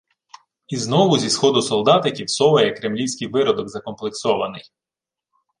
І знову зі сходу солдатиків соває кремлівський виродок закомплексований.